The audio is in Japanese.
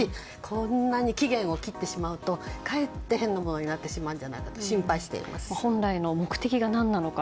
こんなに期限を切ってしまうとかえって変なものになってしまうんじゃないかと本来の目的が何なのか。